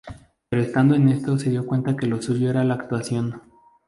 Pero estando en esto se dio cuenta que lo suyo era la actuación.